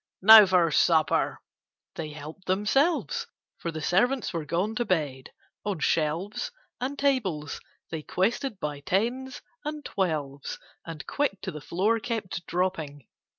Now for supper!" They help'd themselves, For the servants were gone to bed; on shelves And tables they quested by tens and twelves, And quick to the floor kept dropping.